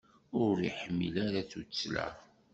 Ur iḥmil ara tuttla.